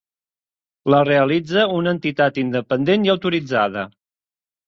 La realitza una entitat independent i autoritzada.